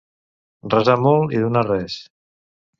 Resar molt i donar res.